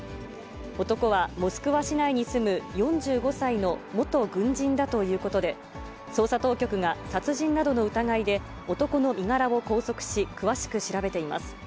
男はモスクワ市内に住む４５歳の元軍人だということで、捜査当局が殺人などの疑いで男の身柄を拘束し、詳しく調べています。